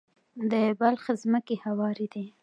د بلخ ځمکې هوارې دي